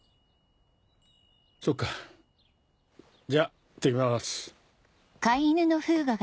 そっかじゃあいってきます。